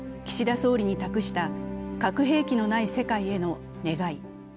総理に託した核兵器のない世界への願い。